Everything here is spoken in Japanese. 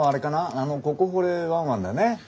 あのここ掘れワンワンだよね？